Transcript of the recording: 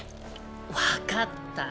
分かった！